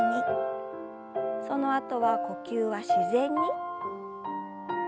そのあとは呼吸は自然に。